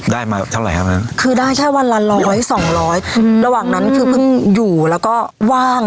ได้มาเท่าไหร่ครับนั้นคือได้แค่วันละร้อยสองร้อยอืมระหว่างนั้นคือเพิ่งอยู่แล้วก็ว่าง